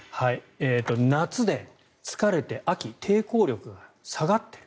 夏で疲れて秋、抵抗力が下がってる。